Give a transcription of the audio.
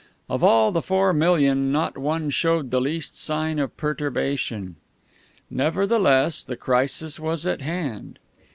Of all the four million not one showed the least sign of perturbation. Nevertheless, the crisis was at hand.